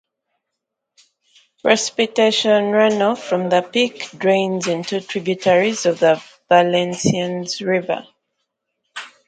Precipitation runoff from the peak drains into tributaries of the Valenciennes River.